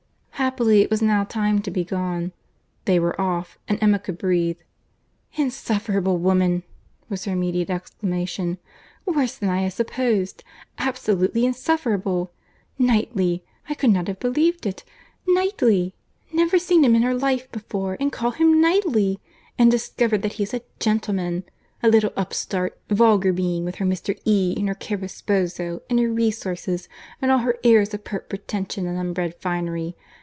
Happily, it was now time to be gone. They were off; and Emma could breathe. "Insufferable woman!" was her immediate exclamation. "Worse than I had supposed. Absolutely insufferable! Knightley!—I could not have believed it. Knightley!—never seen him in her life before, and call him Knightley!—and discover that he is a gentleman! A little upstart, vulgar being, with her Mr. E., and her caro sposo, and her resources, and all her airs of pert pretension and underbred finery.